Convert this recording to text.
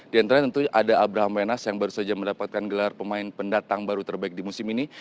di antaranya tentu ada abraham wenas yang baru saja mendapatkan gelar pemain pendatang baru terbaik di musim ini